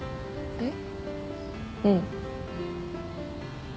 えっ？